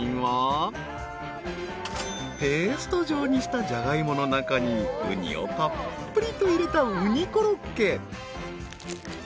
［ペースト状にしたジャガイモの中にうにをたっぷりと入れた］